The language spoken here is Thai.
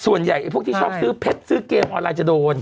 ไอ้พวกที่ชอบซื้อเพชรซื้อเกมออนไลน์จะโดน